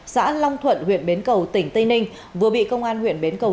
xã long thuận huyện bến cầu tỉnh tây ninh vừa bị công an huyện bến cầu